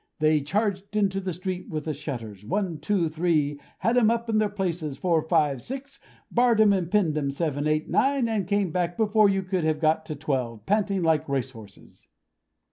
They charged into the street with the shutters one, two, three had 'em up in their places four, five, six barred 'em and pinned 'em seven, eight, nine and came back before you could have got to twelve, panting like race horses.